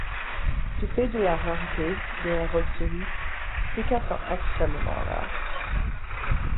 Du fait de la rareté de la robe souris, ces cas sont extrêmement rares.